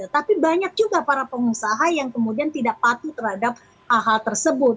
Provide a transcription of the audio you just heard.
tapi banyak juga para pengusaha yang kemudian tidak patuh terhadap hal hal tersebut